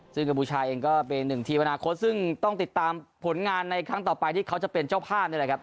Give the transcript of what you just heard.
ซึ่งกัมพูชาเองก็เป็นหนึ่งทีมอนาคตซึ่งต้องติดตามผลงานในครั้งต่อไปที่เขาจะเป็นเจ้าภาพนี่แหละครับ